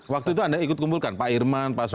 waktu itu anda ikut kumpulkan pak irman pak soehar